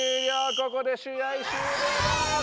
ここで試合終了だ！